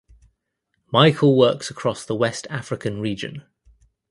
Michael works across the West African region.